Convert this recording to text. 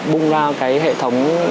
bùng ra cái hệ thống